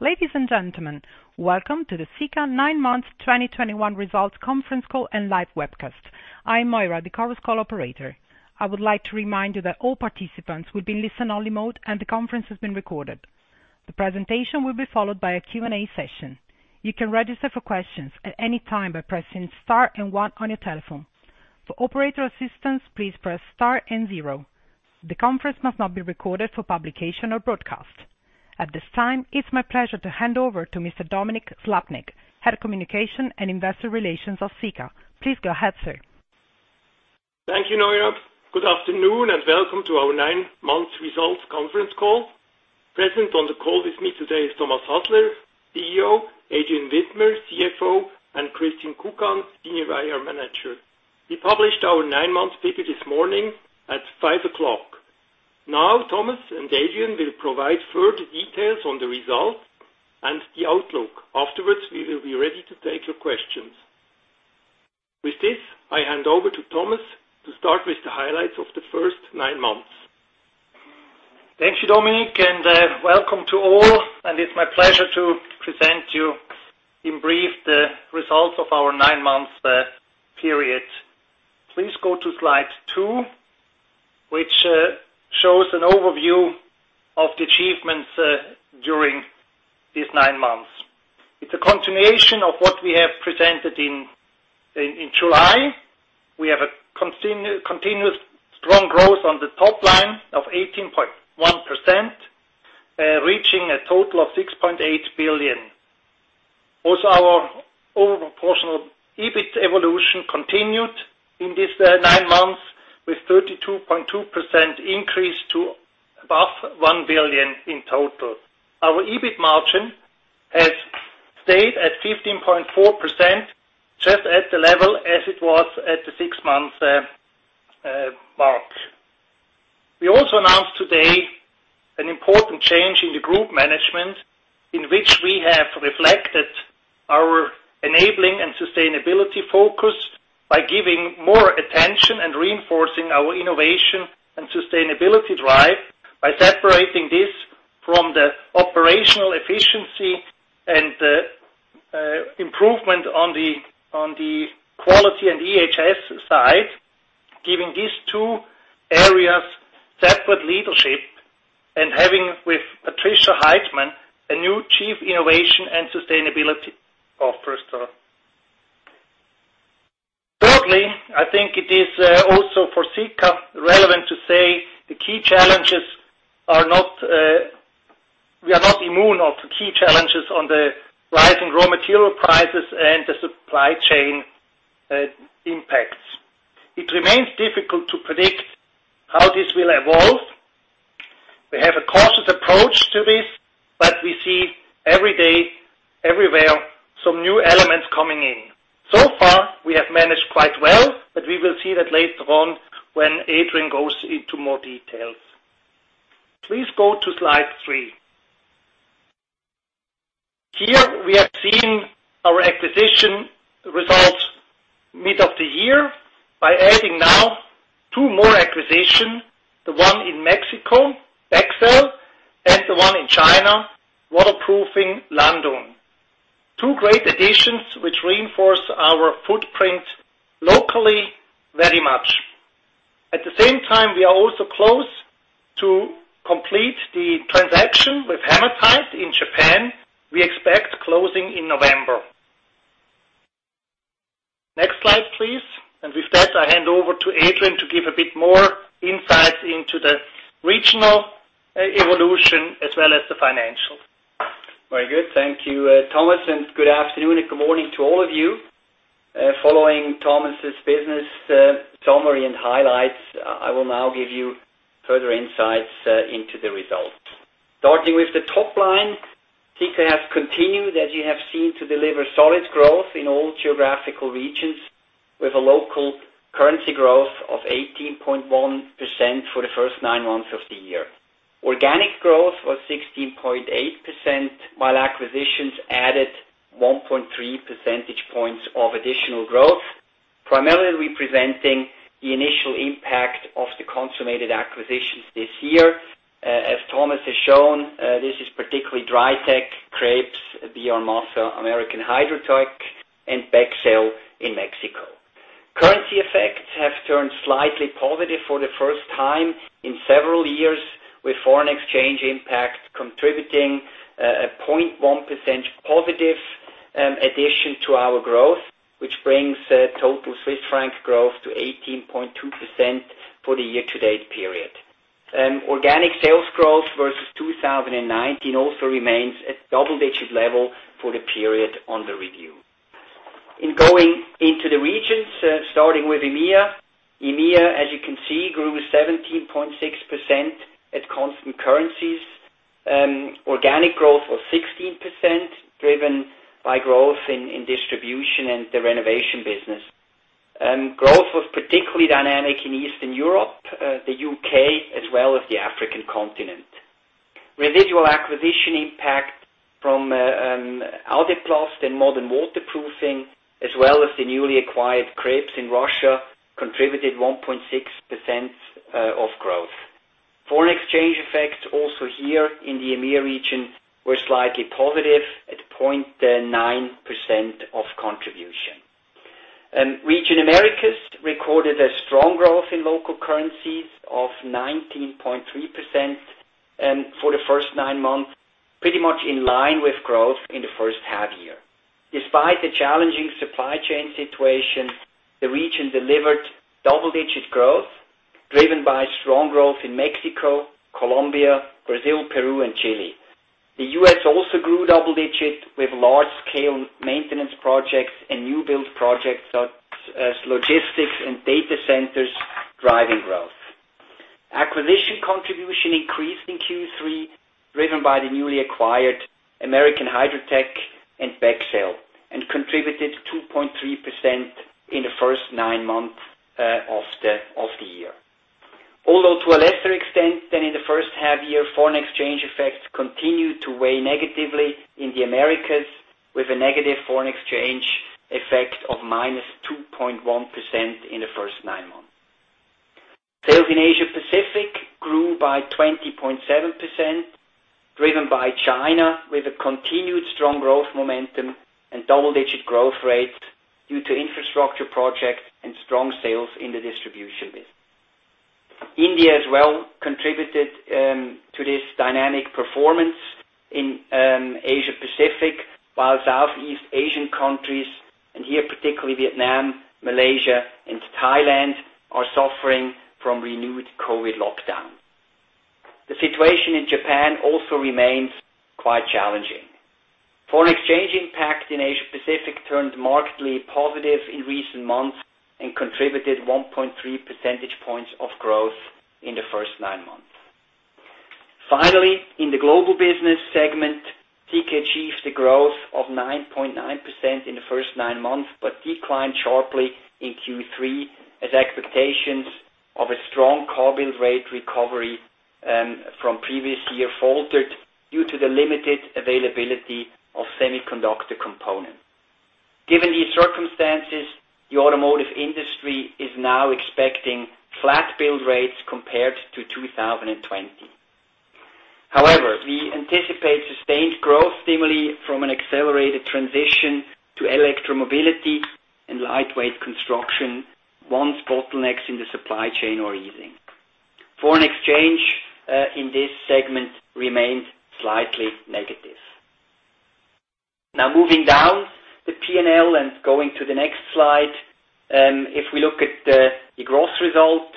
Ladies and gentlemen, welcome to the Sika Nine Months 2021 Results Conference Call and live webcast. I am Moira, the conference call operator. I would like to remind you that all participants will be in listen-only mode and the conference is being recorded. The presentation will be followed by a Q&A session. You can register for questions at any time by pressing star and one on your telephone. For operator assistance, please press star and zero. The conference must not be recorded for publication or broadcast. At this time, it's my pleasure to hand over to Mr. Dominik Slappnig, Head of Communication and Investor Relations of Sika. Please go ahead, sir. Thank you, Moira. Good afternoon, and welcome to our Nine Months Results Conference Call. Present on the call with me today is Thomas Hasler, CEO, Adrian Widmer, CFO, and Christine Kukan, Senior IR Manager. We published our nine-month paper this morning at 5:00 A.M. Thomas and Adrian will provide further details on the results and the outlook. We will be ready to take your questions. I hand over to Thomas to start with the highlights of the first nine months. Thank you, Dominik, welcome to all. It's my pleasure to present to you in brief the results of our nine-month period. Please go to slide two, which shows an overview of the achievements during these nine months. It's a continuation of what we have presented in July. We have a continuous strong growth on the top line of 18.1%, reaching a total of 6.8 billion. Also, our over proportional EBIT evolution continued in these nine months with 32.2% increase to above 1 billion in total. Our EBIT margin has stayed at 15.4%, just at the level as it was at the six months mark. We also announced today an important change in the group management, in which we have reflected our enabling and sustainability focus by giving more attention and reinforcing our innovation and sustainability drive by separating this from the operational efficiency and the improvement on the quality and EHS side, giving these two areas separate leadership, and having, with Patricia Heidtman, a new Chief Innovation and Sustainability Officer. Thirdly, I think it is also for Sika relevant to say we are not immune of the key challenges on the rise in raw material prices and the supply chain impacts. It remains difficult to predict how this will evolve. We have a cautious approach to this, but we see every day, everywhere, some new elements coming in. So far, we have managed quite well, but we will see that later on when Adrian goes into more details. Please go to slide three. Here, we have seen our acquisition results mid of the year by adding now two more acquisition, the one in Mexico, Bexel, and the one in China, Waterproofing Landun. Two great additions, which reinforce our footprint locally very much. At the same time, we are also close to complete the transaction with Hamatite in Japan. We expect closing in November. Next slide, please. With that, I hand over to Adrian to give a bit more insight into the regional evolution as well as the financials. Very good. Thank you, Thomas, and good afternoon and good morning to all of you. Following Thomas' business summary and highlights, I will now give you further insights into the results. Starting with the top line, Sika has continued, as you have seen, to deliver solid growth in all geographical regions with a local currency growth of 18.1% for the first nine months of the year. Organic growth was 16.8%, while acquisitions added 1.3 percentage points of additional growth, primarily representing the initial impact of the consummated acquisitions this year. As Thomas has shown, this is particularly DriTac, Kreps, BR Massa, American Hydrotech, and Bexel in Mexico. Currency effects have turned slightly positive for the first time in several years, with foreign exchange impact contributing a 0.1% positive addition to our growth, which brings total Swiss franc growth to 18.2% for the year-to-date period. Organic sales growth versus 2019 also remains at double-digit level for the period on the review. Going into the regions, starting with EMEA. EMEA, as you can see, grew 17.6% at constant currencies. Organic growth was 16%, driven by growth in distribution and the renovation business. Growth was particularly dynamic in Eastern Europe, the U.K., as well as the African continent. Residual acquisition impact from Adeplast and Modern Waterproofing, as well as the newly acquired Kreps in Russia, contributed 1.6% of growth. Foreign exchange effects also here in the EMEA region were slightly positive at 0.9% of contribution. Region Americas recorded a strong growth in local currencies of 19.3% for the first nine months, pretty much in line with growth in the first half year. Despite the challenging supply chain situation, the region delivered double-digit growth, driven by strong growth in Mexico, Colombia, Brazil, Peru, and Chile. The U.S. also grew double digits with large-scale maintenance projects and new build projects such as logistics and data centers driving growth. Acquisition contribution increased in Q3, driven by the newly acquired American Hydrotech and Bexel, and contributed 2.3% in the first nine months of the year. Although to a lesser extent than in the first half year, foreign exchange effects continued to weigh negatively in the Americas with a negative foreign exchange effect of -2.1% in the first nine months. Sales in Asia Pacific grew by 20.7%, driven by China with a continued strong growth momentum and double-digit growth rate due to infrastructure projects and strong sales in the distribution business. India as well contributed to this dynamic performance in Asia Pacific, while Southeast Asian countries, and here particularly Vietnam, Malaysia, and Thailand, are suffering from renewed COVID lockdown. The situation in Japan also remains quite challenging. Foreign exchange impact in Asia Pacific turned markedly positive in recent months and contributed 1.3 percentage points of growth in the first nine months. Finally, in the global business segment, Sika achieved the growth of 9.9% in the first nine months but declined sharply in Q3 as expectations of a strong car build rate recovery from previous year faltered due to the limited availability of semiconductor components. Given these circumstances, the automotive industry is now expecting flat build rates compared to 2020. We anticipate sustained growth stimuli from an accelerated transition to electro-mobility and lightweight construction once bottlenecks in the supply chain are easing. Foreign exchange, in this segment, remained slightly negative. Moving down the P&L and going to the next slide. If we look at the gross result,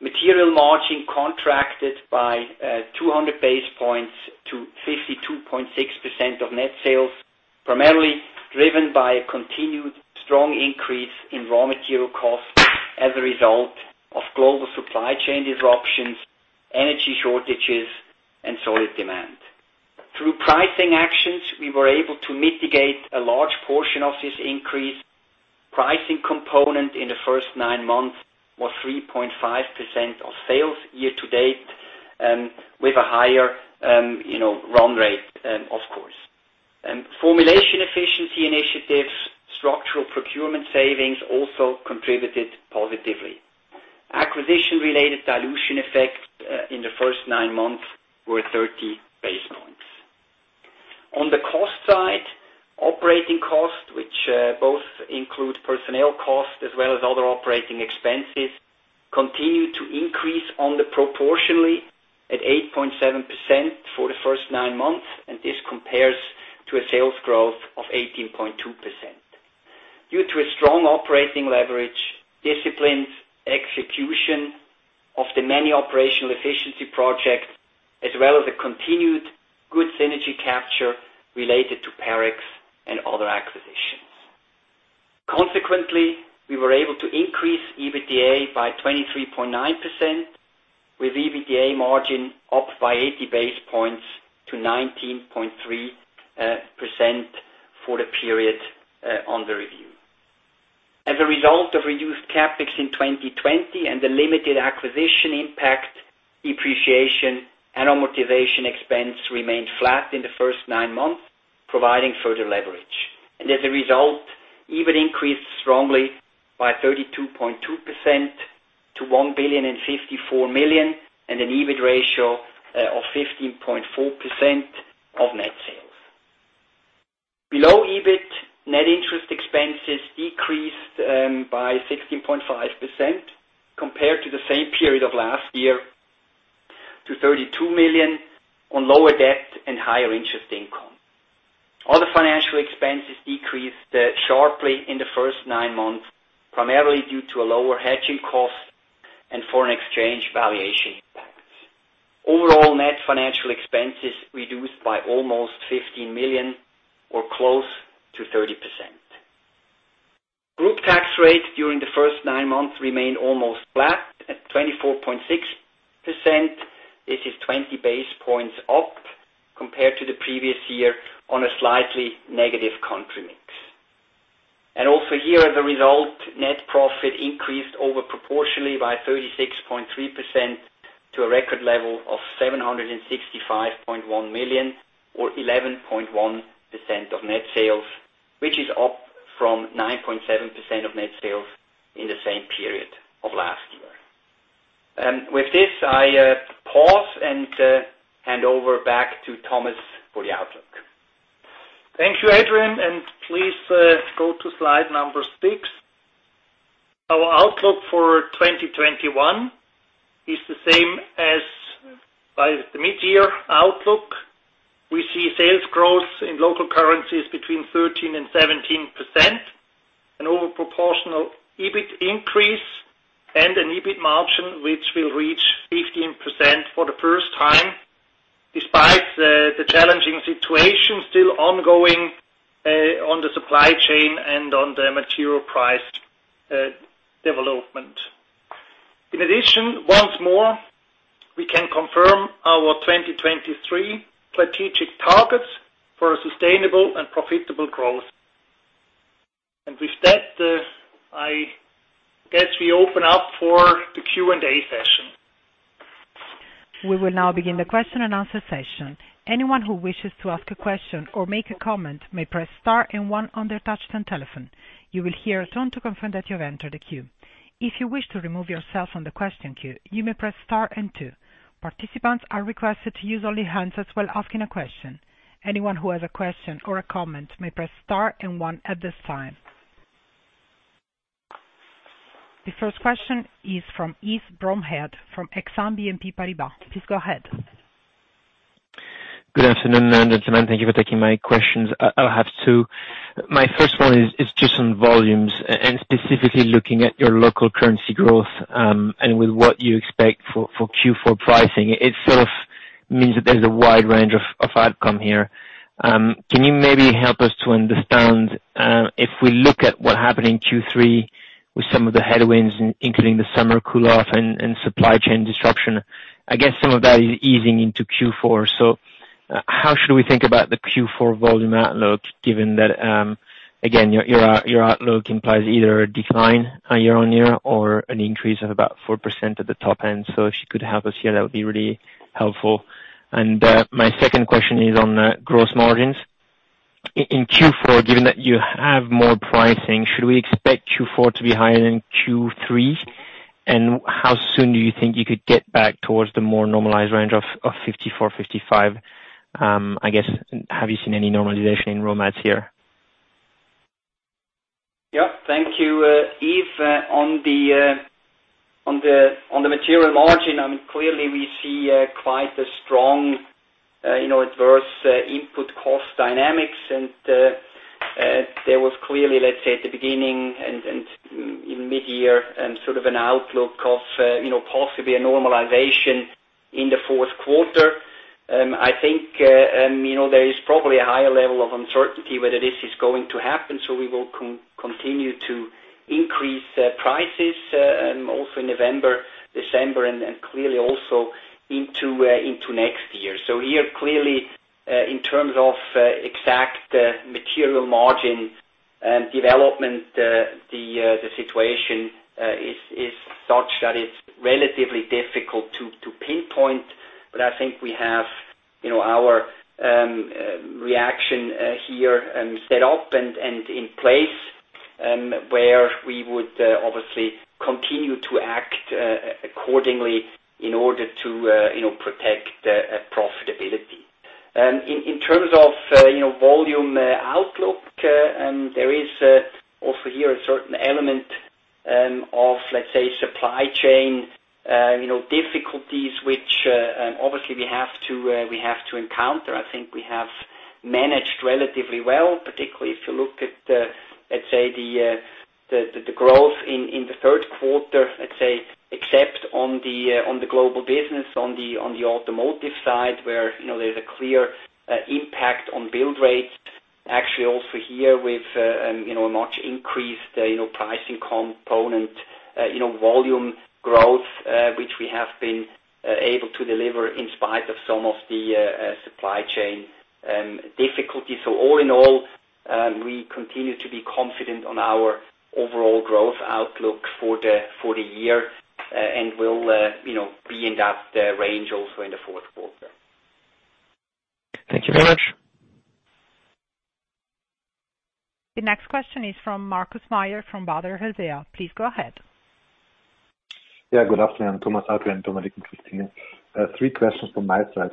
material margin contracted by 200 basis points to 52.6% of net sales, primarily driven by a continued strong increase in raw material costs as a result of global supply chain disruptions, energy shortages, and solid demand. Through pricing actions, we were able to mitigate a large portion of this increase. Pricing component in the first nine months was 3.5% of sales year to date, with a higher run rate, of course. Formulation efficiency initiatives, structural procurement savings also contributed positively. Acquisition-related dilution effects in the first nine months were 30 basis points. On the cost side, operating costs, which both include personnel costs as well as other operating expenses, continued to increase under proportionally at 8.7% for the first nine months, and this compares to a sales growth of 18.2%. Due to a strong operating leverage, disciplined execution of the many operational efficiency projects, as well as a continued good synergy capture related to Parex and other acquisitions. Consequently, we were able to increase EBITDA by 23.9%, with EBITDA margin up by 80 basis points to 19.3% for the period on the review. As a result of reduced CapEx in 2020 and the limited acquisition impact, depreciation, and amortization expense remained flat in the first nine months, providing further leverage. As a result, EBIT increased strongly by 32.2% to 1,054 million and an EBIT ratio of 15.4% of net sales. Below EBIT, net interest expenses decreased by 16.5% compared to the same period of last year to 32 million on lower debt and higher interest income. Other financial expenses decreased sharply in the first nine months, primarily due to a lower hedging cost and foreign exchange valuation impact. Overall net financial expenses reduced by almost 15 million or close to 30%. Group tax rate during the first 9 months remained almost flat at 24.6%. This is 20 basis points up compared to the previous year on a slightly negative country mix. Also here as a result, net profit increased over proportionally by 36.3% to a record level of 765.1 million, or 11.1% of net sales, which is up from 9.7% of net sales in the same period of last year. With this, I pause and hand over back to Thomas Hasler for the outlook. Thank you, Adrian, and please go to slide number six. Our outlook for 2021 is the same as by the mid-year outlook. We see sales growth in local currencies between 13% and 17%, an over proportional EBIT increase, and an EBIT margin, which will reach 15% for the first time despite the challenging situation still ongoing on the supply chain and on the material price development. In addition, once more, we can confirm our 2023 strategic targets for a sustainable and profitable growth. With that, I guess we open up for the Q&A session. We will now begin the question and answer session. Anyone who wishes to ask a question or make a comment may press star and one on their touch-tone telephone. You will hear a tone to confirm that you have entered a queue. If you wish to remove yourself from the question queue, you may press star and two. Participants are requested to use only handsets while asking a question. Anyone who has a question or a comment may press star and one at this time. The first question is from Yves Bromehead from Exane BNP Paribas. Please go ahead. Good afternoon, gentlemen. Thank you for taking my questions. I have two. My first one is just on volumes and specifically looking at your local currency growth, and with what you expect for Q4 pricing. It sort of means that there's a wide range of outcome here. Can you maybe help us to understand, if we look at what happened in Q3 with some of the headwinds, including the summer cool off and supply chain disruption, I guess some of that is easing into Q4. How should we think about the Q4 volume outlook, given that, again, your outlook implies either a decline YoY or an increase of about 4% at the top end. If you could help us here, that would be really helpful. My second question is on gross margins. In Q4, given that you have more pricing, should we expect Q4 to be higher than Q3? How soon do you think you could get back towards the more normalized range of 54/55? I guess, have you seen any normalization in raw mats here? Thank you, Yves. On the material margin, clearly we see quite a strong adverse input cost dynamics and there was clearly, let's say at the beginning and in mid-year, sort of an outlook of possibly a normalization in the fourth quarter. I think there is probably a higher level of uncertainty whether this is going to happen. We will continue to increase prices also in November, December, and clearly also into next year. Here, clearly, in terms of exact material margin development, the situation is such that it's relatively difficult to pinpoint. I think we have our reaction here set up and in place, where we would obviously continue to act accordingly in order to protect profitability. In terms of volume outlook, there is also here a certain element of, let's say, supply chain difficulties, which obviously we have to encounter. I think we have managed relatively well, particularly if you look at, let's say the growth in the third quarter, let's say except on the global business, on the automotive side, where there's a clear impact on build rate. Actually also here with a much increased pricing component volume growth, which we have been able to deliver in spite of some of the supply chain difficulties. All in all, we continue to be confident on our overall growth outlook for the year. We'll be in that range also in the fourth quarter. Thank you very much. The next question is from Markus Mayer from Baader Helvea. Please go ahead. Yeah, good afternoon, Thomas, Adrian, Dominik and Christine. Three questions from my side.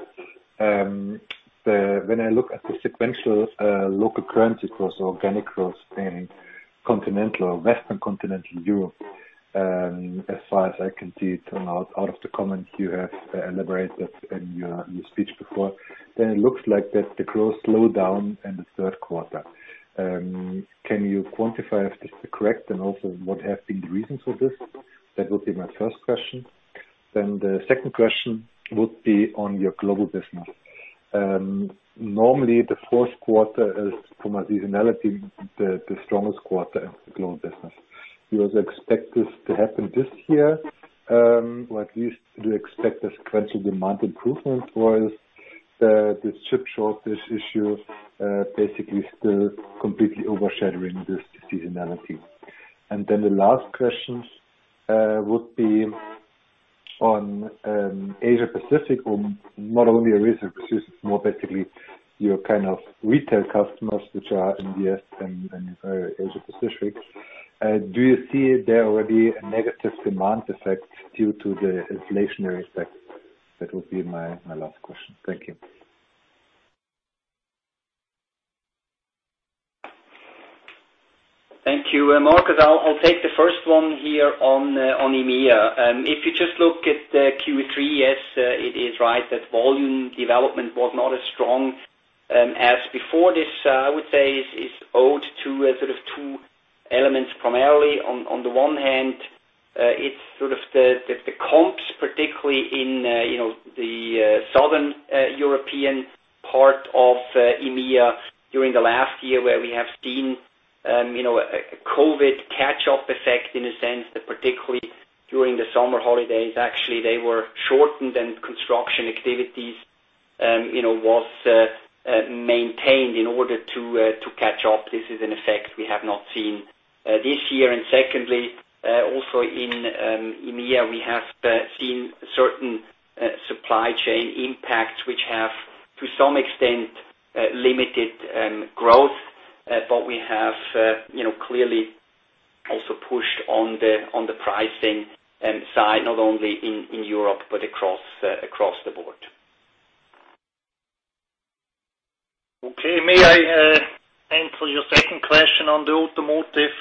When I look at the sequential local currency growth, organic growth in continental, Western Continental Europe, as far as I can see it and out of the comments you have elaborated in your speech before, then it looks like that the growth slowed down in the third quarter. Can you quantify if this is correct and also what have been the reasons for this? That would be my first question. The second question would be on your global business. Normally, the fourth quarter is, from a seasonality, the strongest quarter in the global business. You also expect this to happen this year, or at least do you expect a sequential demand improvement or the chip shortage issue basically still completely overshadowing this seasonality? The last question would be on Asia Pacific, or not only Asia Pacific, more basically your kind of retail customers which are in the U.S. and in Asia Pacific. Do you see there already a negative demand effect due to the inflationary effect? That would be my last question. Thank you. Thank you. Markus, I'll take the first one here on EMEA. If you just look at the Q3, yes, it is right that volume development was not as strong as before this. I would say it is owed to sort of two elements primarily. On the one hand, it's sort of the comps, particularly in the Southern European part of EMEA during the last year, where we have seen a COVID catch-up effect in a sense that particularly during the summer holidays, actually, they were shortened and construction activities was maintained in order to catch up. This is an effect we have not seen this year. Secondly, also in EMEA, we have seen certain supply chain impacts which have, to some extent, limited growth. We have clearly also pushed on the pricing side, not only in Europe, but across the board. Okay, may I answer your second question on the automotive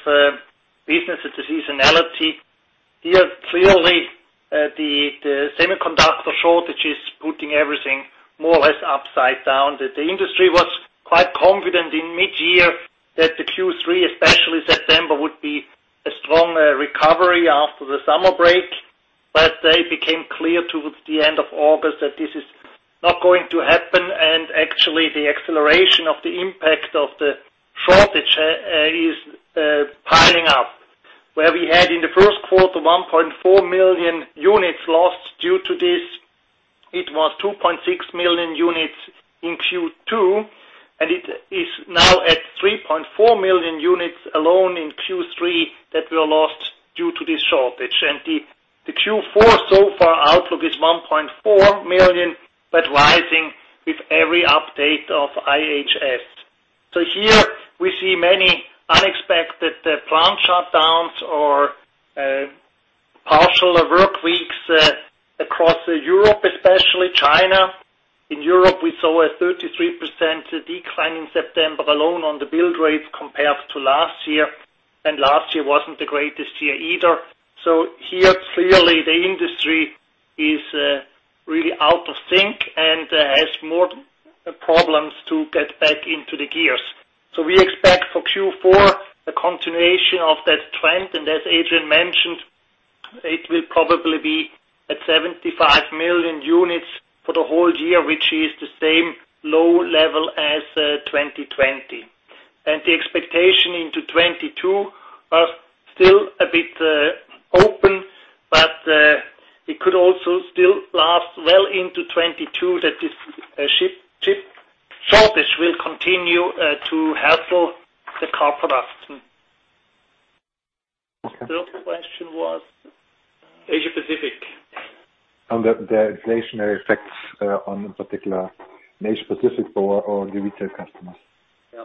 business, the seasonality? Here, clearly, the semiconductor shortage is putting everything more or less upside down. The industry was quite confident in mid-year that the Q3, especially September, would be a strong recovery after the summer break. It became clear towards the end of August that this is not going to happen, and actually, the acceleration of the impact of the shortage is piling up. Where we had in the first quarter, 1.4 million units lost due to this, it was 2.6 million units in Q2, and it is now at 3.4 million units alone in Q3 that were lost due to this shortage. The Q4 so far outlook is 1.4 million, but rising with every update of IHS. Here we see many unexpected plant shutdowns or partial work weeks across Europe, especially China. In Europe, we saw a 33% decline in September alone on the build rates compared to last year, and last year wasn't the greatest year either. Here, clearly the industry is really out of sync and has more problems to get back into the gears. We expect for Q4 a continuation of that trend, and as Adrian mentioned, it will probably be at 75 million units for the whole year, which is the same low level as 2020. The expectation into 2022 are still a bit open, but it could also still last well into 2022, that this chip shortage will continue to hassle the car production. Okay. The other question was- Asia Pacific. On the inflationary effects on in particular in Asia Pacific or the retail customers. Yeah.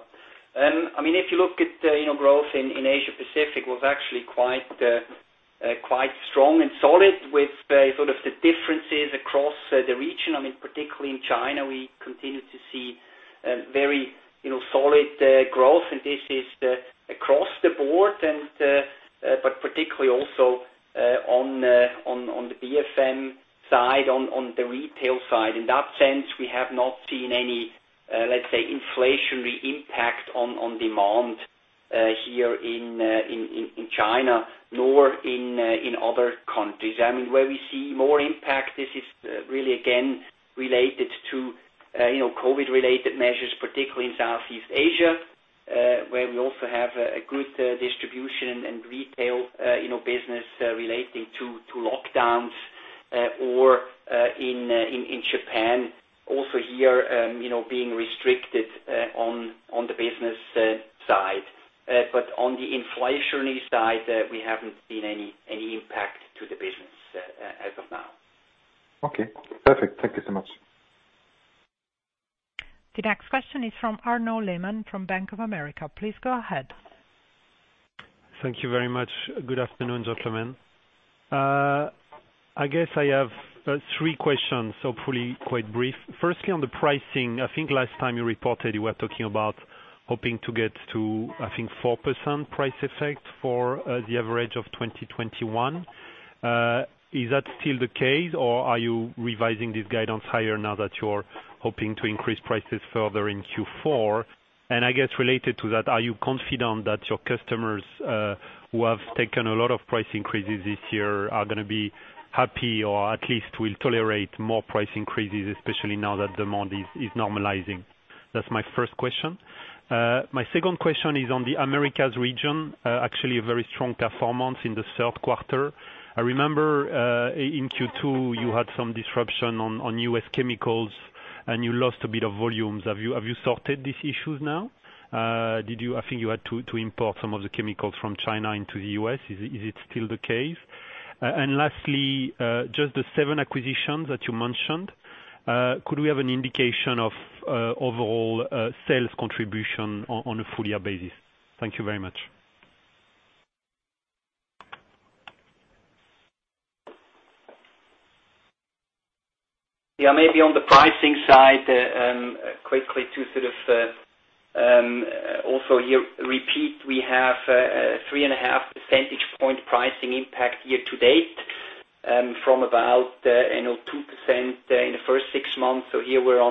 If you look at growth in Asia Pacific was actually quite strong and solid with sort of the differences across the region. Particularly in China, we continue to see very solid growth, and this is across the board, but particularly also on the BFM side, on the retail side. In that sense, we have not seen any, let's say, inflationary impact on demand here in China, nor in other countries. Where we see more impact, this is really again related to COVID-related measures, particularly in Southeast Asia, where we also have a good distribution and retail business relating to lockdowns or in Japan also here, being restricted on the business side. On the inflationary side, we haven't seen any impact to the business as of now. Okay, perfect. Thank you so much. The next question is from Arnaud Lehmann from Bank of America. Please go ahead. Thank you very much. Good afternoon, gentlemen. I guess I have three questions, hopefully quite brief. On the pricing, I think last time you reported you were talking about hoping to get to, I think 4% price effect for the average of 2021. Is that still the case or are you revising this guidance higher now that you're hoping to increase prices further in Q4? I guess related to that, are you confident that your customers who have taken a lot of price increases this year are going to be happy or at least will tolerate more price increases, especially now that demand is normalizing? That's my first question. My second question is on the Americas region, actually a very strong performance in the third quarter. I remember in Q2 you had some disruption on U.S. chemicals and you lost a bit of volumes. Have you sorted these issues now? I think you had to import some of the chemicals from China into the U.S. Is it still the case? Lastly, just the seven acquisitions that you mentioned, could we have an indication of overall sales contribution on a full-year basis? Thank you very much. Maybe on the pricing side, quickly to sort of also here repeat, we have 3.5 percentage point pricing impact year to date, from about 2% in the first six months. Here we're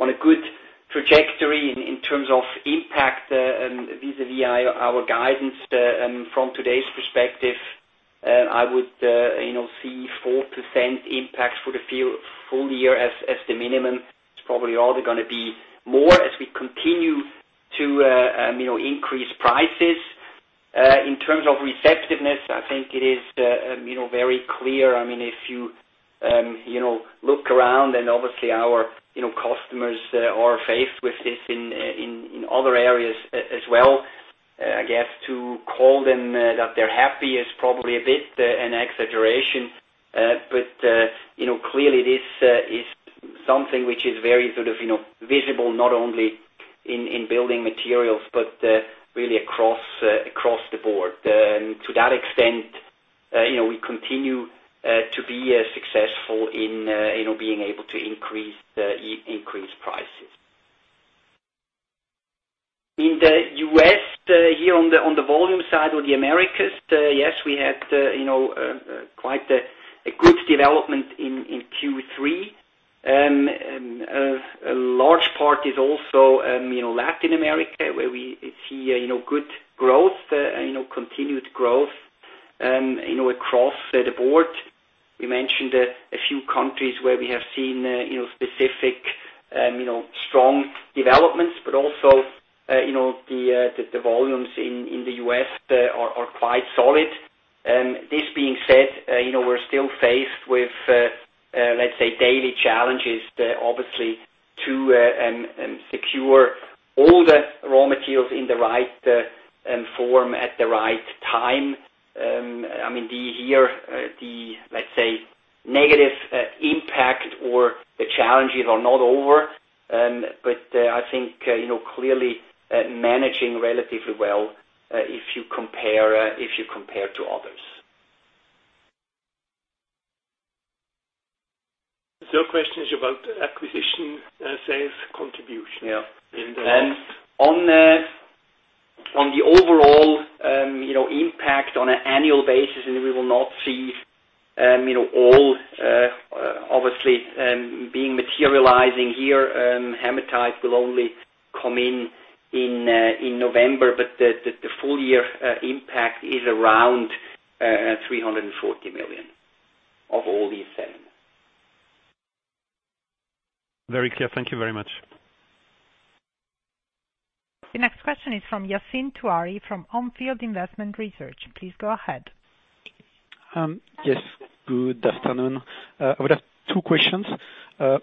on a good trajectory in terms of impact vis-á-vis our guidance. From today's perspective, I would see 4% impact for the full year as the minimum. It's probably only going to be more as we continue to increase prices. In terms of receptiveness, I think it is very clear, if you look around and obviously our customers are faced with this in other areas as well. I guess to call them that they're happy is probably a bit an exaggeration. Clearly this is something which is very sort of visible not only in building materials, but really across the board. To that extent, we continue to be successful in being able to increase prices. In the U.S., here on the volume side or the Americas, yes, we had quite a good development in Q3. A large part is also Latin America, where we see good growth and continued growth across the board. We mentioned a few countries where we have seen specific strong developments, but also the volumes in the U.S. are quite solid. This being said, we're still faced with, let's say, daily challenges, obviously, to secure all the raw materials in the right form at the right time. Here the, let's say, negative impact or the challenges are not over. I think clearly managing relatively well, if you compare to others. The question is about acquisition sales contribution. Yeah. On the overall impact on an annual basis, we will not see all obviously being materializing here. Hamatite will only come in November, but the full-year impact is around 340 million of all these seven. Very clear. Thank you very much. The next question is from Yassine Touahri from On Field Investment Research. Please go ahead. Yes, good afternoon. I would have two questions.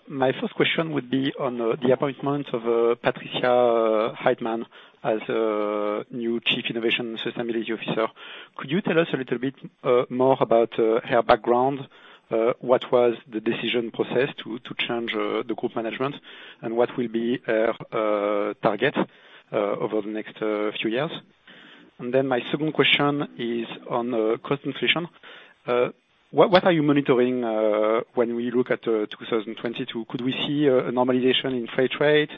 My first question would be on the appointment of Patricia Heidtman as a new Chief Innovation & Sustainability Officer. Could you tell us a little bit more about her background? What was the decision process to change the group management, and what will be her target over the next few years? My second question is on cost inflation. What are you monitoring when we look at 2022? Could we see a normalization in freight rate?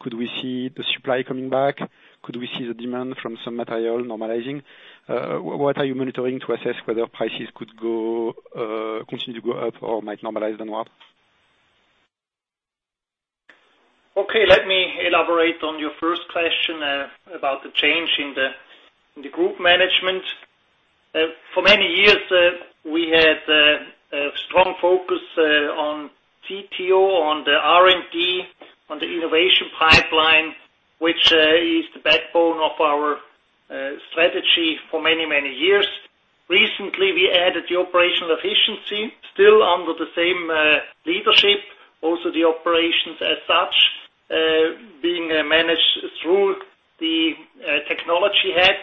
Could we see the supply coming back? Could we see the demand from some material normalizing? What are you monitoring to assess whether prices could continue to go up or might normalize? Okay, let me elaborate on your first question about the change in the group management. For many years, we had a strong focus on CTO, on the R&D, on the innovation pipeline, which is the backbone of our strategy for many, many years. Recently, we added the operational efficiency, still under the same leadership. The operations as such, being managed through the technology hat.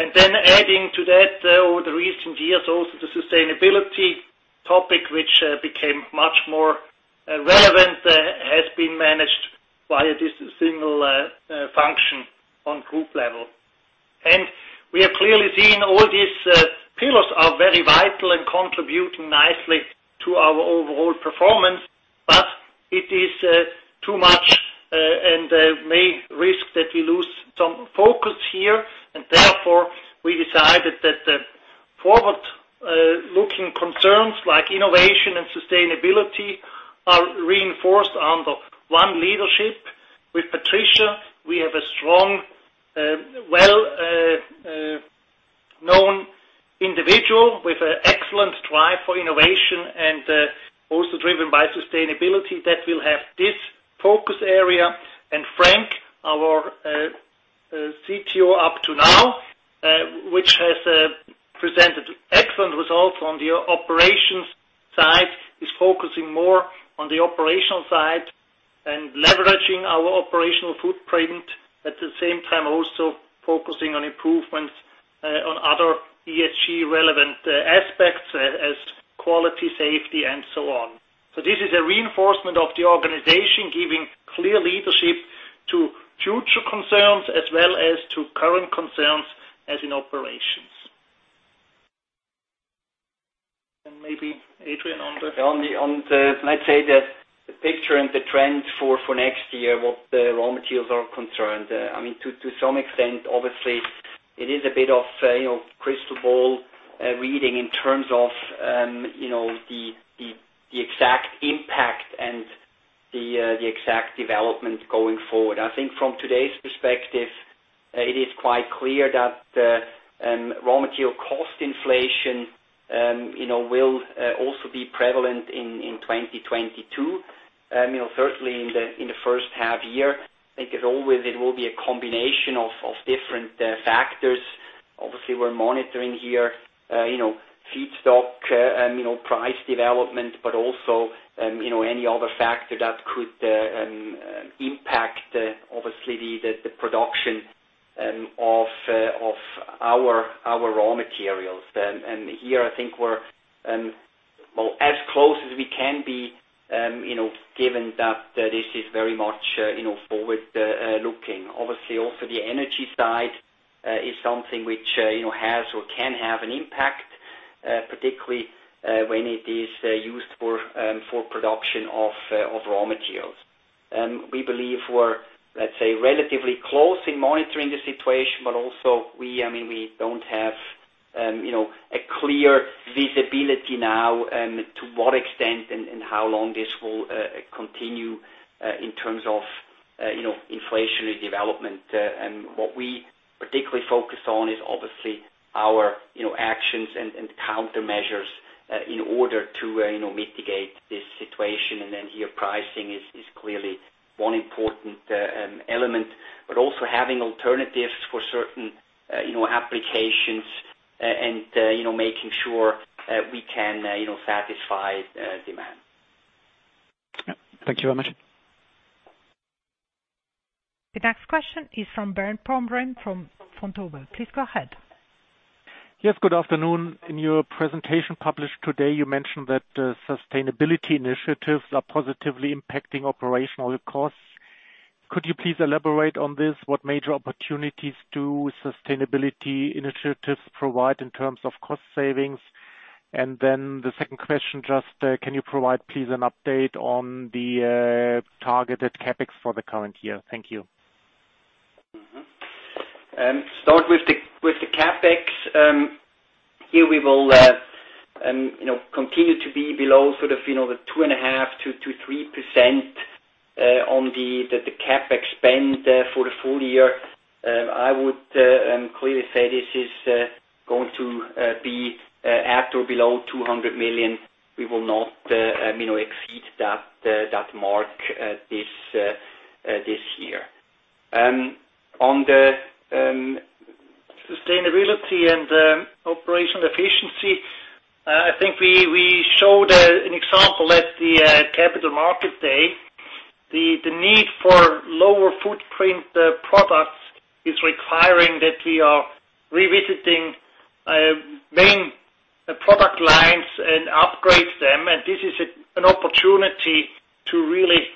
Adding to that, over the recent years also, the sustainability topic, which became much more relevant, has been managed via this single function on group level. We are clearly seeing all these pillars are very vital and contributing nicely to our overall performance, but it is too much and may risk that we lose some focus here, and therefore we decided that the forward-looking concerns like innovation and sustainability are reinforced under one leadership. With Patricia, we have a strong, well-known individual. Also driven by sustainability that will have this focus area. Frank, our CTO up to now, which has presented excellent results on the operations side, is focusing more on the operational side and leveraging our operational footprint. At the same time, also focusing on improvements on other ESG-relevant aspects as quality, safety, and so on. This is a reinforcement of the organization, giving clear leadership to future concerns as well as to current concerns as in operations. Maybe Adrian on the. Let's say that the picture and the trend for next year, what the raw materials are concerned. To some extent, obviously, it is a bit of crystal ball reading in terms of the exact impact and the exact development going forward. I think from today's perspective, it is quite clear that the raw material cost inflation will also be prevalent in 2022. Certainly, in the first half year, I think as always, it will be a combination of different factors. Obviously, we're monitoring here feedstock price development, but also any other factor that could impact, obviously, the production of our raw materials. Here, I think we're, well, as close as we can be given that this is very much forward-looking. Obviously, also the energy side is something which has or can have an impact, particularly when it is used for production of raw materials. We believe we're, let's say, relatively close in monitoring the situation, but also we don't have a clear visibility now to what extent and how long this will continue in terms of inflationary development. What we particularly focus on is obviously our actions and countermeasures in order to mitigate this situation. Here, pricing is clearly one important element. Also having alternatives for certain applications and making sure we can satisfy demand. Yeah. Thank you very much. The next question is from Bernd Pomrehn from Vontobel. Please go ahead. Yes, good afternoon. In your presentation published today, you mentioned that sustainability initiatives are positively impacting operational costs. Could you please elaborate on this? What major opportunities do sustainability initiatives provide in terms of cost savings? The second question, just can you provide, please, an update on the targeted CapEx for the current year? Thank you. Start with the CapEx. Here we will continue to be below sort of the 2.5%-3% on the CapEx spend for the full-year. I would clearly say this is going to be at or below 200 million. We will not exceed that mark this year. On the sustainability and operational efficiency, I think we showed an example at the Capital Markets Day. The need for lower footprint products is requiring that we are revisiting main product lines and upgrade them. This is an opportunity to really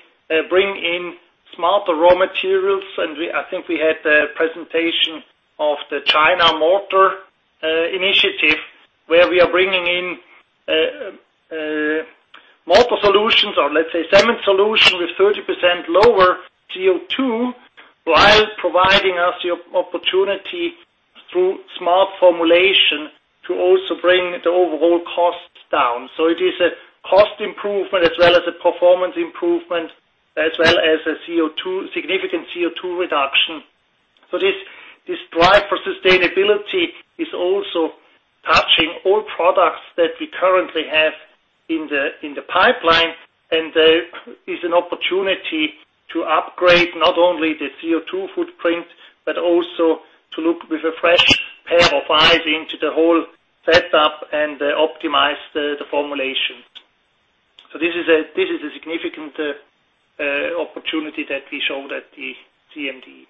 bring in smarter raw materials. I think we had the presentation of the China mortar initiative, where we are bringing in mortar solutions or let's say cement solution with 30% lower CO2, while providing us the opportunity through smart formulation to also bring the overall costs down. It is a cost improvement as well as a performance improvement, as well as a significant CO2 reduction. This drive for sustainability is also touching all products that we currently have in the pipeline, and is an opportunity to upgrade not only the CO2 footprint, but also to look with a fresh pair of eyes into the whole setup and optimize the formulation. This is a significant opportunity that we showed at the CMD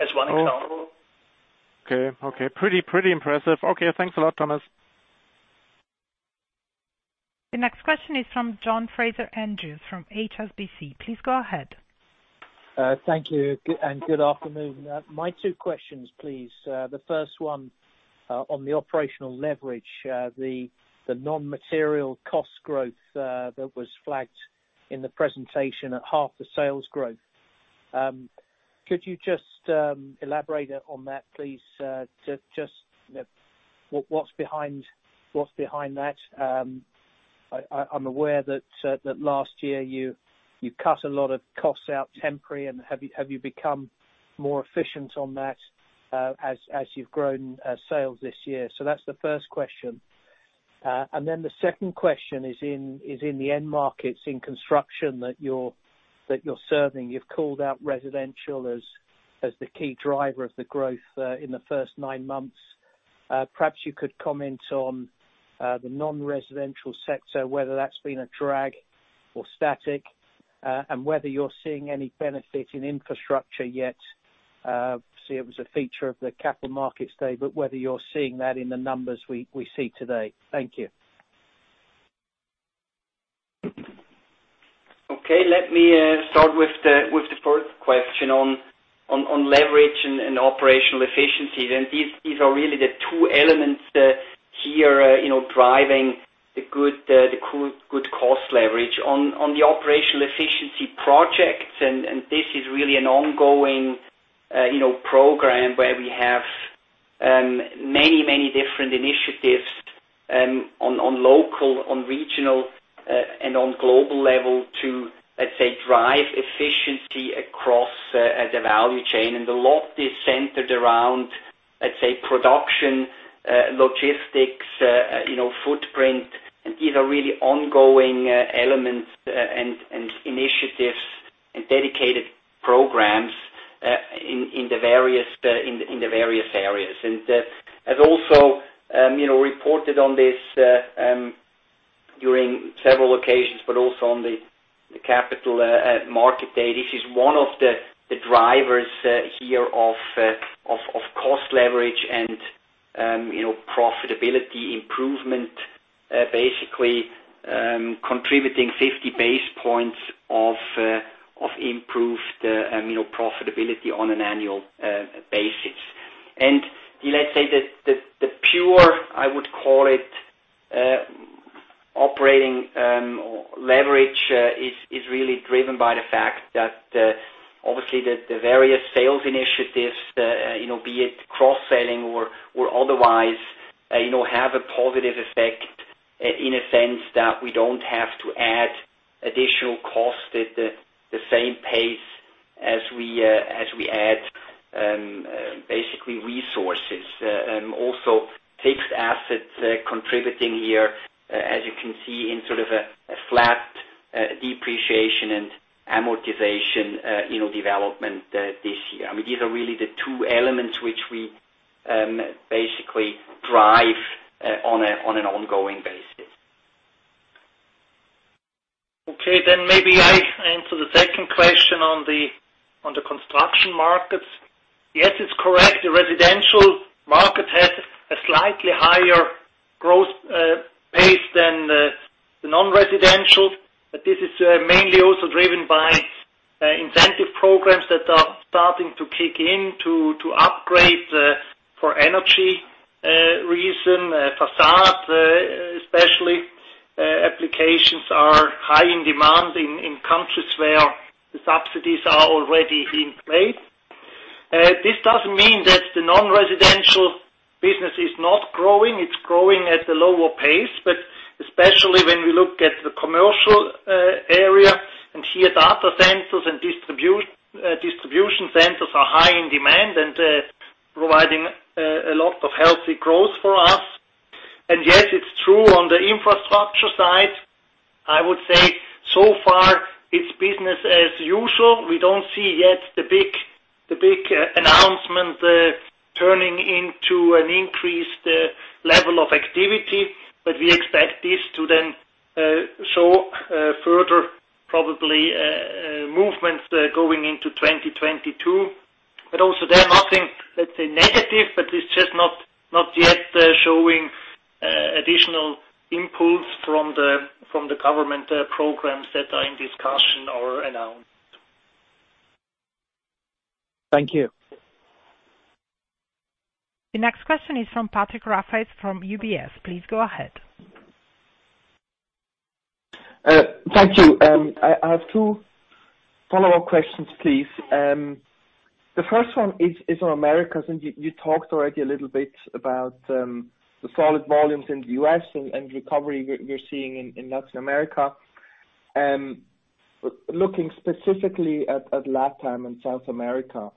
as one example. Okay. Pretty impressive. Okay, thanks a lot, Thomas. The next question is from John Fraser-Andrews from HSBC. Please go ahead. Thank you, good afternoon. My two questions, please. The first one on the operational leverage, the non-material cost growth that was flagged in the presentation at half the sales growth. Could you just elaborate on that, please? Just what's behind that? I'm aware that last year you cut a lot of costs out temporarily, have you become more efficient on that as you've grown sales this year? That's the first question. The second question is in the end markets, in construction that you're serving. You've called out residential as the key driver of the growth in the first nine months. Perhaps you could comment on the non-residential sector, whether that's been a drag or static, and whether you're seeing any benefit in infrastructure yet, obviously, it was a feature of the Capital Markets Day, whether you're seeing that in the numbers we see today. Thank you. Okay. Let me start with the first question on leverage and operational efficiencies. These are really the two elements here driving the good cost leverage. On the operational efficiency projects, and this is really an ongoing program where we have many different initiatives on local, on regional, and on global level to, let's say, drive efficiency across the value chain. A lot is centered around, let's say, production, logistics, footprint, and these are really ongoing elements and initiatives and dedicated programs in the various areas. I've also reported on this during several occasions, but also on the Capital Markets Day. This is one of the drivers here of cost leverage and profitability improvement. Basically contributing 50 base points of improved profitability on an annual basis. Let's say the pure, I would call it, operating leverage is really driven by the fact that obviously the various sales initiatives, be it cross-selling or otherwise, have a positive effect in a sense that we don't have to add additional cost at the same pace as we add basically resources. Also fixed assets contributing here, as you can see, in sort of a flat depreciation and amortization development this year. These are really the two elements which we basically drive on an ongoing basis. Maybe I answer the second question on the construction markets. Yes, it's correct. The residential market has a slightly higher growth pace than the non-residential. This is mainly also driven by incentive programs that are starting to kick in to upgrade for energy reason, facade especially. Applications are high in demand in countries where the subsidies are already in place. This doesn't mean that the non-residential business is not growing. It's growing at a lower pace. Especially when we look at the commercial area, and here data centers and distribution centers are high in demand and providing a lot of healthy growth for us. Yes, it's true on the infrastructure side, I would say so far it's business as usual. We don't see yet the big announcement turning into an increased level of activity. We expect this to then show further, probably, movements going into 2022. Also there nothing, let's say, negative, but it's just not yet showing additional impulse from the government programs that are in discussion or announced. Thank you. The next question is from Patrick Rafaisz from UBS. Please go ahead. Thank you. I have two follow-up questions, please. The first one is on Americas, and you talked already a little bit about the solid volumes in the U.S. and recovery you're seeing in Latin America. Looking specifically at LATAM and South America,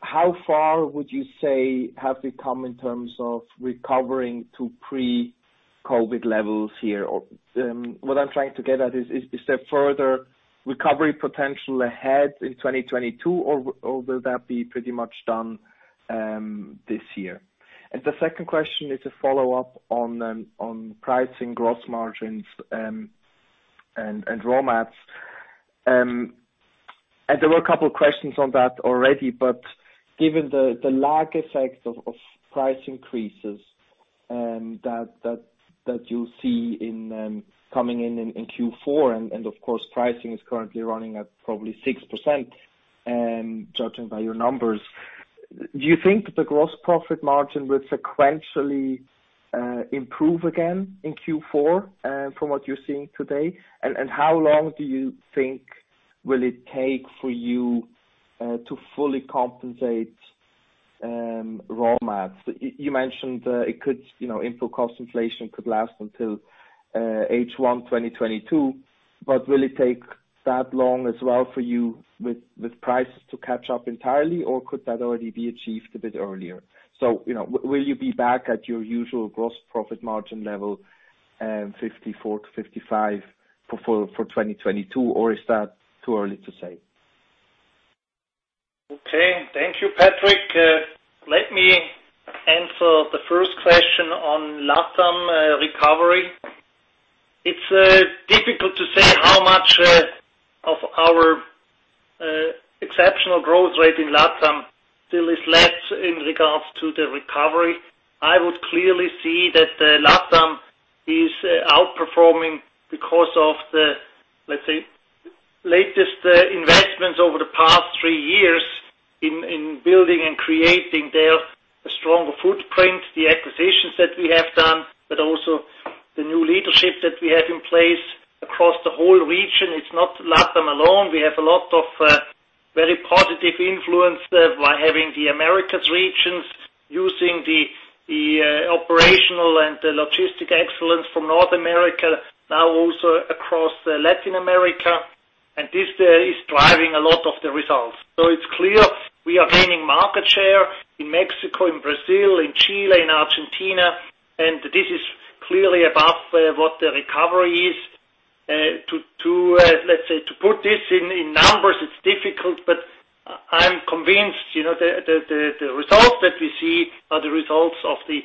how far would you say have we come in terms of recovering to pre-COVID levels here? What I'm trying to get at is there further recovery potential ahead in 2022, or will that be pretty much done this year? The second question is a follow-up on pricing gross margins and raw mats. There were a couple of questions on that already, but given the lag effect of price increases that you see coming in Q4, and of course, pricing is currently running at probably 6%, judging by your numbers. Do you think the gross profit margin will sequentially improve again in Q4 from what you're seeing today? How long do you think will it take for you to fully compensate raw mats? You mentioned input cost inflation could last until H1 2022. Will it take that long as well for you with prices to catch up entirely? Could that already be achieved a bit earlier? Will you be back at your usual gross profit margin level, 54%-55% for 2022, or is that too early to say? Thank you, Patrick. Let me answer the first question on LATAM recovery. It is difficult to say how much of our exceptional growth rate in LATAM still is left in regards to the recovery. I would clearly see that the LATAM is outperforming because of the, let us say, latest investments over the past three years in building and creating there a stronger footprint, the acquisitions that we have done, but also the new leadership that we have in place across the whole region. It is not LATAM alone. We have a lot of very positive influence by having the Americas regions using the operational and the logistic excellence from North America now also across Latin America. This is driving a lot of the results. It is clear we are gaining market share in Mexico, in Brazil, in Chile, in Argentina, and this is clearly above what the recovery is. Let's say, to put this in numbers, it's difficult, but I'm convinced the results that we see are the results of the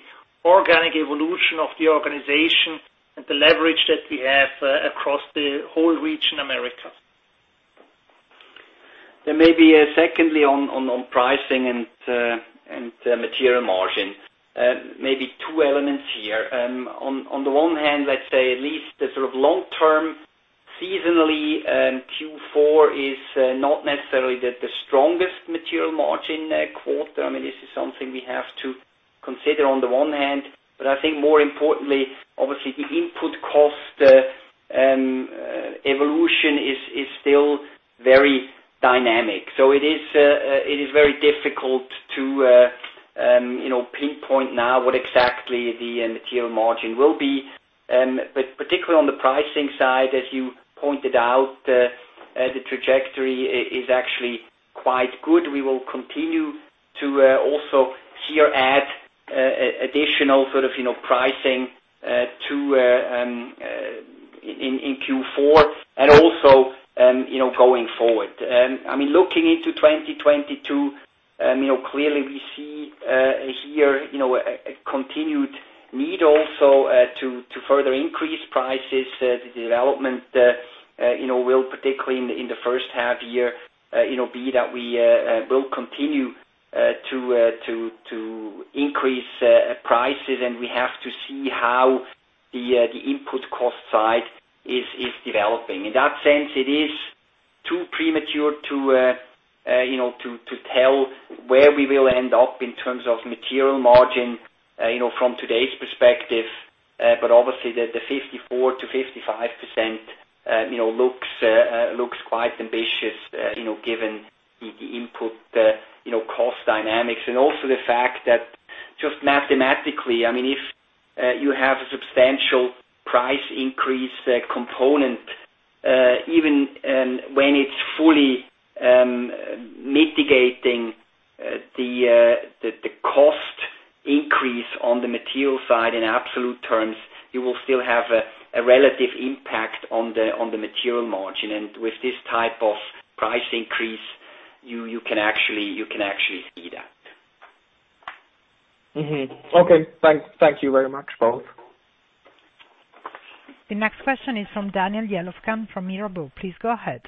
organic evolution of the organization and the leverage that we have across the whole region America. Maybe secondly on pricing and material margin. Maybe two elements here. On the one hand, let's say at least the sort of long-term seasonally Q4 is not necessarily the strongest material margin quarter. This is something we have to consider on the one hand. I think more importantly, obviously the input cost evolution is still very dynamic. It is very difficult to pinpoint now what exactly the material margin will be. Particularly on the pricing side, as you pointed out, the trajectory is actually quite good. We will continue to also here add additional sort of pricing in Q4 and also going forward. Looking into 2022, clearly we see here a continued need also to further increase prices. The development will particularly in the first half year be that we will continue to increase prices. We have to see how the input cost side is developing. In that sense, it is too premature to tell where we will end up in terms of material margin from today's perspective. Obviously, the 54%-55% looks quite ambitious given the input cost dynamics and also the fact that just mathematically, if you have a substantial price increase component, even when it's fully mitigating the cost increase on the material side in absolute terms, you will still have a relative impact on the material margin. With this type of price increase, you can actually see that. Okay. Thank you very much, both. The next question is from Daniel Jelovcan from Mirabaud. Please go ahead.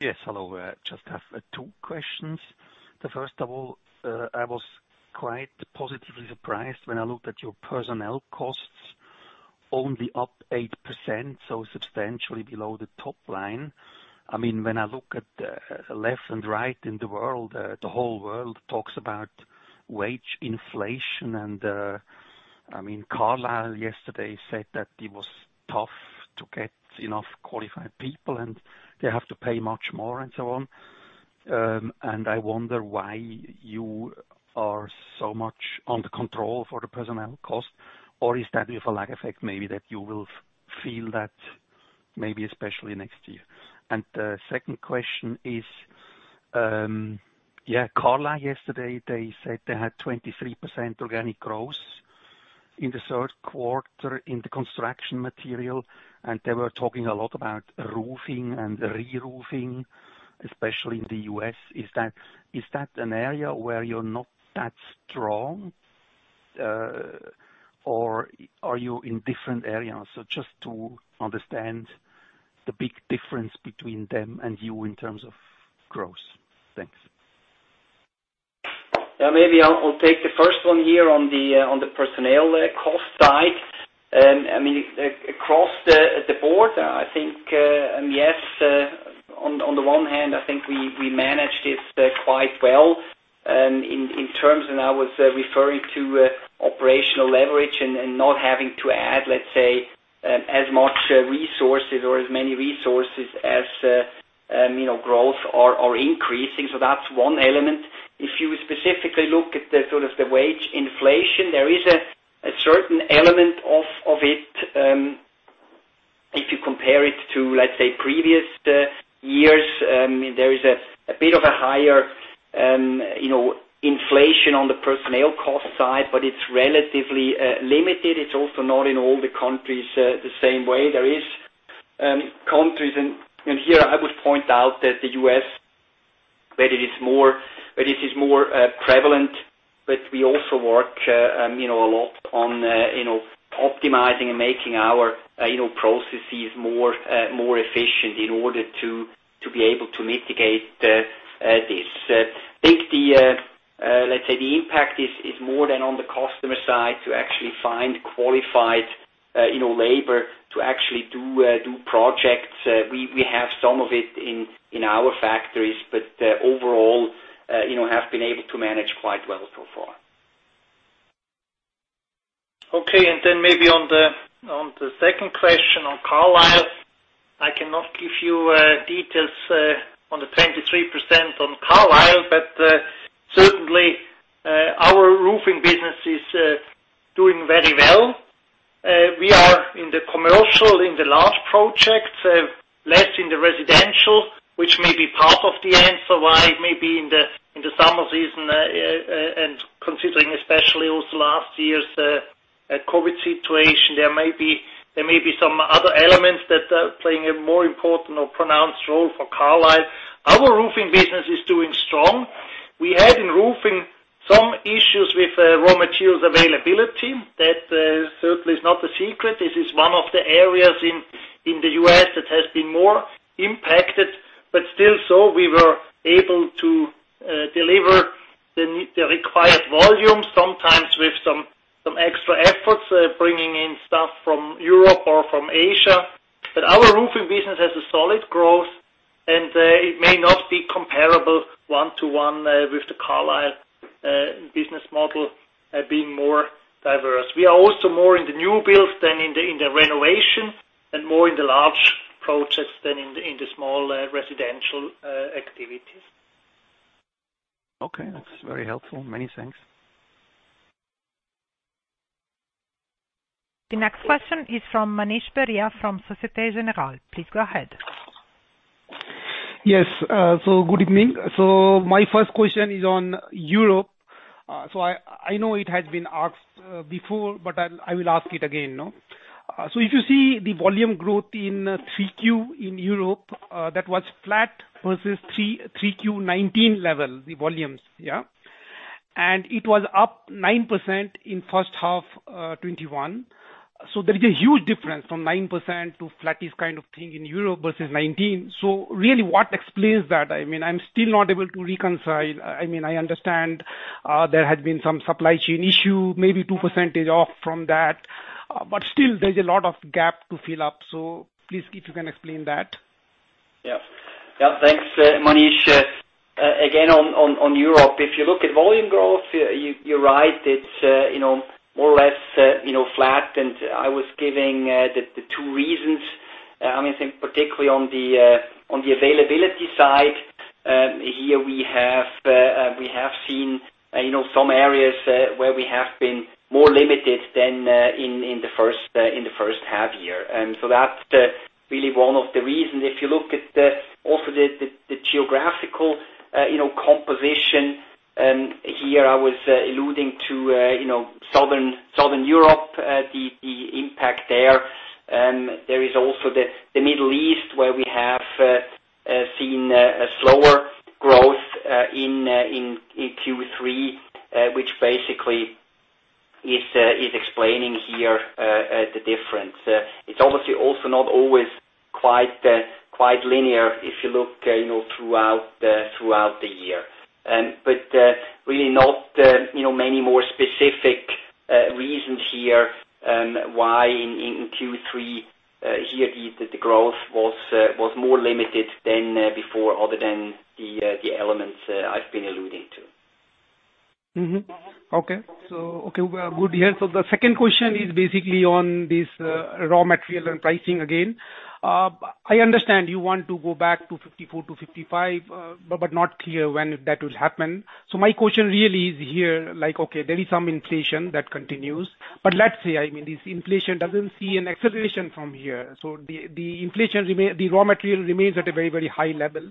Yes. Hello. I just have two questions. The first of all, I was quite positively surprised when I looked at your personnel costs. Only up 8%, so substantially below the top line. When I look at the left and right in the world, the whole world talks about wage inflation and Carlisle yesterday said that it was tough to get enough qualified people, and they have to pay much more and so on. I wonder why you are so much under control for the personnel cost or is that with a lag effect, maybe that you will feel that maybe especially next year? The second question is, yeah, Carlisle yesterday, they said they had 23% organic growth in the third quarter in the construction material, and they were talking a lot about roofing and re-roofing, especially in the U.S. Is that an area where you're not that strong? Are you in different areas? Just to understand the big difference between them and you in terms of growth. Thanks. Yeah, maybe I'll take the first one here on the personnel cost side. Across the board, I think, yes, on the one hand, I think we managed it quite well in terms, and I was referring to operational leverage and not having to add, let's say, as much resources or as many resources as growth are increasing. That's one element. If you specifically look at the wage inflation, there is a certain element of it. If you compare it to, let's say, previous years, there is a bit of a higher inflation on the personnel cost side, but it's relatively limited. It is also not in all the countries the same way. There is countries, and here I would point out that the U.S., where it is more prevalent, but we also work a lot on optimizing and making our processes more efficient in order to be able to mitigate this. I think, let's say, the impact is more than on the customer side to actually find qualified labor to actually do projects. We have some of it in our factories, but overall, have been able to manage quite well so far. Okay. Maybe on the second question on Carlisle, I cannot give you details on the 23% on Carlisle. Certainly, our roofing business is doing very well. We are in the commercial, in the large projects, less in the residential, which may be part of the answer why maybe in the summer season, and considering especially also last year's COVID situation, there may be some other elements that are playing a more important or pronounced role for Carlisle. Our roofing business is doing strong. We had in roofing some issues with raw materials availability. That certainly is not a secret. This is one of the areas in the U.S. that has been more impacted. Still so, we were able to deliver the required volume, sometimes with some extra efforts, bringing in stuff from Europe or from Asia. Our roofing business has a solid growth, and it may not be comparable one-to-one with the Carlisle business model being more diverse. We are also more in the new builds than in the renovation and more in the large projects than in the small residential activities. Okay. That's very helpful. Many thanks. The next question is from Manish Beria from Societe Generale. Please go ahead. Yes. Good evening. My first question is on Europe. I know it has been asked before, but I will ask it again. If you see the volume growth in Q3 in Europe, that was flat versus Q3 2019 level, the volumes. Yeah. It was up 9% in first half 2021. There is a huge difference from 9% to flattest kind of thing in Europe versus 2019. Really, what explains that? I'm still not able to reconcile. I understand there has been some supply chain issue, maybe 2% is off from that, but still there's a lot of gap to fill up. Please, if you can explain that. Thanks, Manish. On Europe, if you look at volume growth, you're right. It's more or less flat. I was giving the two reasons. I think particularly on the availability side, here we have seen some areas where we have been more limited than in the first half year. That's really one of the reasons. If you look at also the geographical composition, here I was alluding to Southern Europe, the impact there. There is also the Middle East, where we have seen a slower growth in Q3, which basically is explaining here the difference. It's obviously also not always quite linear if you look throughout the year. Really not many more specific reasons here why in Q3 here the growth was more limited than before other than the elements I've been alluding to. Okay. Okay. Good here. The second question is basically on this raw material and pricing again. I understand you want to go back to 54%-55%, but not clear when that will happen. My question really is here, like, okay, there is some inflation that continues, but let's say, this inflation doesn't see an acceleration from here. The raw material remains at a very high level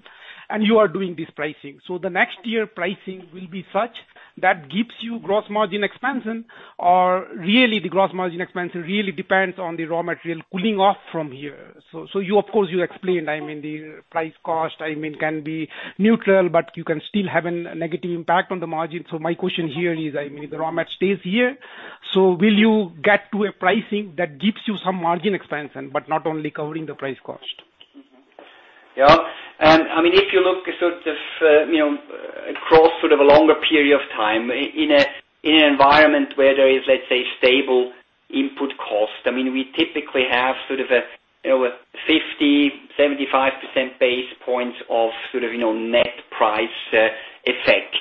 and you are doing this pricing. The next year pricing will be such that gives you gross margin expansion or really the gross margin expansion really depends on the raw material cooling off from here. Of course you explained, the price cost can be neutral, but you can still have a negative impact on the margin. My question here is, the raw match stays here, will you get to a pricing that gives you some margin expansion but not only covering the price cost? Mm-hmm. Yeah. If you look across a longer period of time in an environment where there is, let's say, stable input cost, we typically have a 50/75 basis points of net price effect.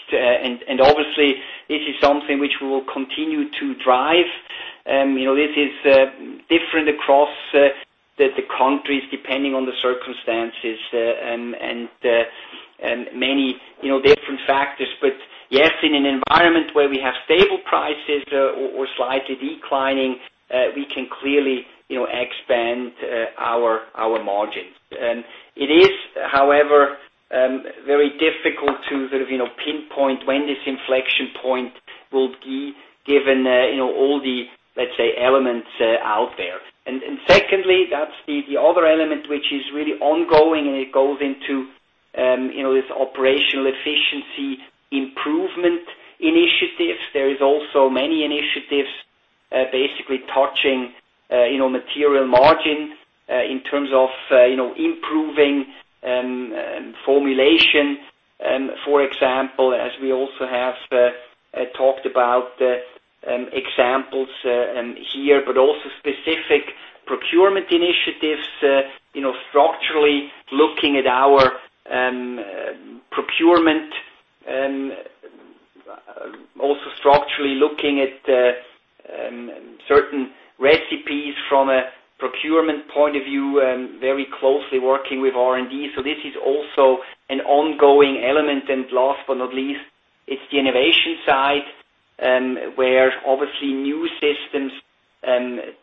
Obviously this is something which we will continue to drive This is different across the countries, depending on the circumstances and many different factors. Yes, in an environment where we have stable prices or slightly declining, we can clearly expand our margins. It is, however, very difficult to sort of pinpoint when this inflection point will be given all the, let's say, elements out there. Secondly, that's the other element which is really ongoing, and it goes into this operational efficiency improvement initiatives. There is also many initiatives basically touching material margin in terms of improving formulation. For example, as we also have talked about examples here, also specific procurement initiatives, structurally looking at our procurement, also structurally looking at certain recipes from a procurement point of view, very closely working with R&D. This is also an ongoing element. Last but not least, it's the innovation side, where obviously new systems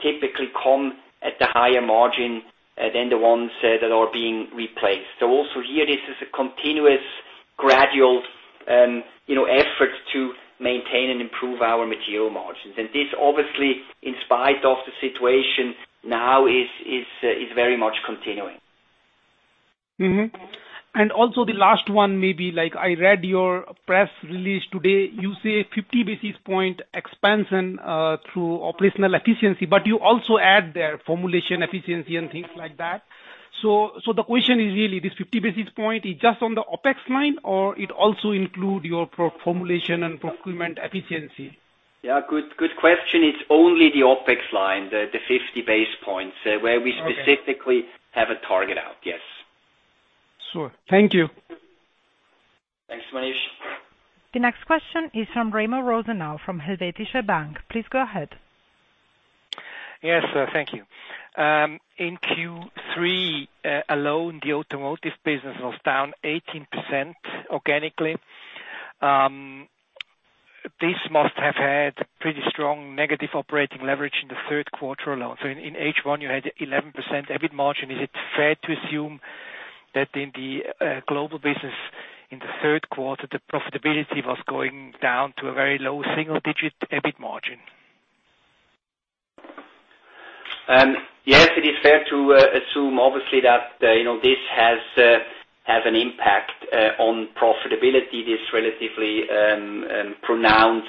typically come at the higher margin than the ones that are being replaced. Also here, this is a continuous gradual effort to maintain and improve our material margins. This obviously, in spite of the situation now, is very much continuing. Mm-hmm. Also the last one may be, I read your press release today. You say 50 basis point expansion through operational efficiency, but you also add there formulation efficiency and things like that. The question is really, this 50 basis point is just on the OpEx line, or it also include your formulation and procurement efficiency? Yeah. Good question. It's only the OpEx line, the 50 basis points, where we specifically have a target out. Yes. Sure. Thank you. Thanks, Manish. The next question is from Remo Rosenau, from Helvetische Bank. Please go ahead. Yes, thank you. In Q3 alone, the automotive business was down 18% organically. This must have had pretty strong negative operating leverage in the third quarter alone. In H1 you had 11% EBIT margin. Is it fair to assume that in the global business in the third quarter, the profitability was going down to a very low single digit EBIT margin? Yes, it is fair to assume obviously that this has an impact on profitability. This relatively pronounced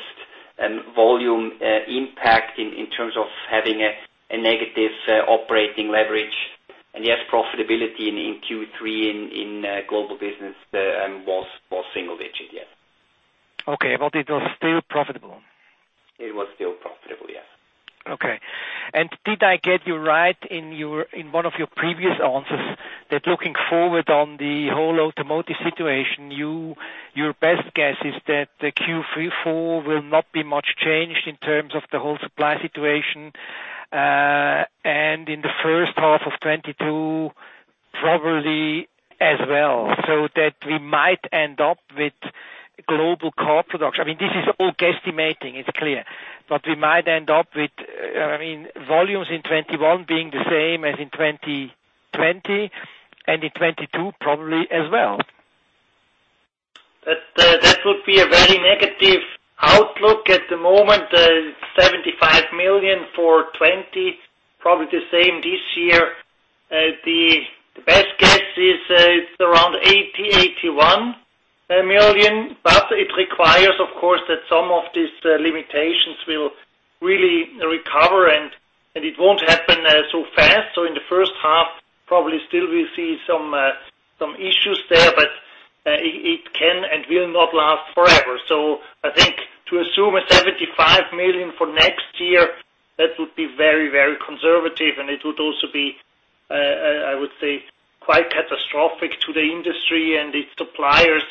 volume impact in terms of having a negative operating leverage. Yes, profitability in Q3 in global business was single digit. Yes. Okay. It was still profitable? It was still profitable, yes. Okay. Did I get you right in one of your previous answers, that looking forward on the whole automotive situation, your best guess is that the Q4 will not be much changed in terms of the whole supply situation, and in the first half of 2022 probably as well, so that we might end up with global car production. This is all guesstimating, it's clear. We might end up with volumes in 2021 being the same as in 2020, and in 2022 probably as well. That would be a very negative outlook at the moment. 75 million for 2020, probably the same this year. The best guess is it's around 80 million-81 million. It requires, of course, that some of these limitations will really recover, and it won't happen so fast. In the first half, probably still we'll see some issues there, but it can and will not last forever. I think to assume a 75 million for next year, that would be very conservative, and it would also be. I would say, quite catastrophic to the industry and its suppliers,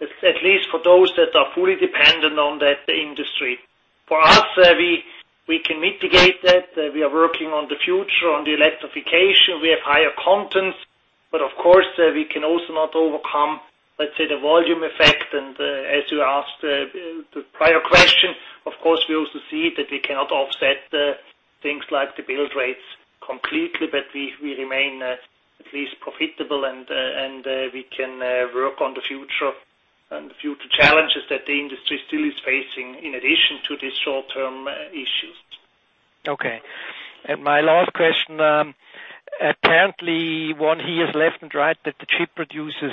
at least for those that are fully dependent on that industry. For us, we can mitigate that. We are working on the future, on the electrification. We have higher contents. Of course, we can also not overcome, let's say, the volume effect. As you asked the prior question, of course, we also see that we cannot offset things like the build rates completely, but we remain at least profitable and we can work on the future challenges that the industry still is facing in addition to these short-term issues. Okay. My last question. Apparently, one hears left and right that the chip producers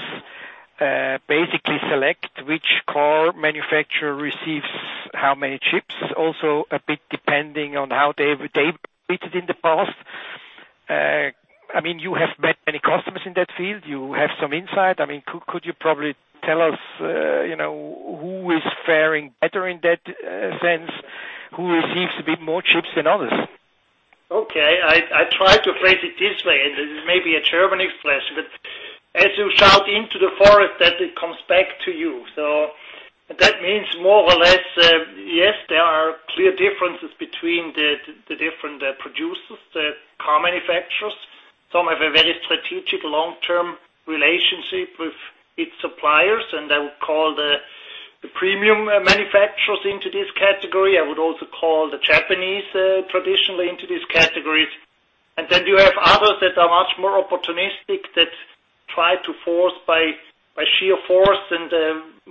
basically select which car manufacturer receives how many chips, also a bit depending on how they've behaved in the past. You have met many customers in that field. You have some insight. Could you probably tell us who is faring better in that sense? Who receives a bit more chips than others? Okay. I try to phrase it this way, and this is maybe a German expression, but as you shout into the forest that it comes back to you. That means more or less, yes, there are clear differences between the different producers, the car manufacturers. Some have a very strategic long-term relationship with its suppliers, and I would call the premium manufacturers into this category. I would also call the Japanese traditionally into these categories. Then you have others that are much more opportunistic, that try to force by sheer force and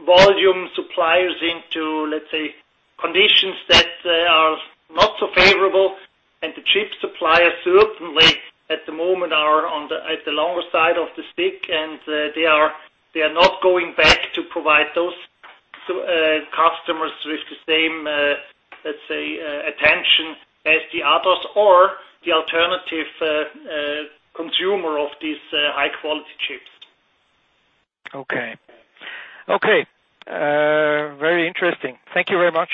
volume suppliers into, let's say, conditions that are not so favorable. The chip suppliers certainly at the moment are at the longer side of the stick, and they are not going back to provide those customers with the same, let's say, attention as the others or the alternative consumer of these high-quality chips. Okay. Very interesting. Thank you very much.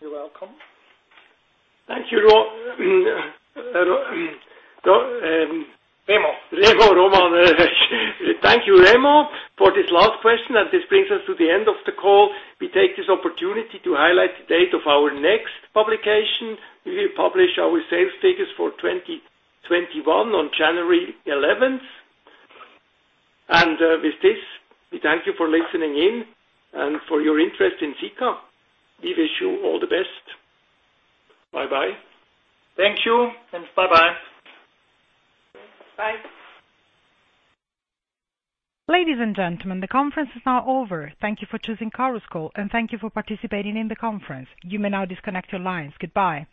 You're welcome. Thank you, Ro- Thank you, Remo for this last question. This brings us to the end of the call. We take this opportunity to highlight the date of our next publication. We will publish our sales figures for 2021 on January 11th. With this, we thank you for listening in and for your interest in Sika. We wish you all the best. Bye-bye. Thank you, and bye-bye. Bye. Ladies and gentlemen, the conference is now over. Thank you for choosing Chorus Call, and thank you for participating in the conference. You may now disconnect your lines. Goodbye.